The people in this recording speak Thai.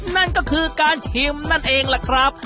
นั่นก็คือการชิมนั่นเองล่ะครับ